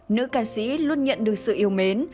nữ ca sĩ luôn nhận được sự yêu mến